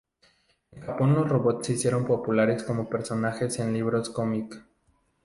En Japón los robots se hicieron populares como personajes en libros comic.